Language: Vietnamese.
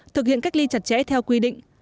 thực hiện cách ly chặt chẽ theo quy định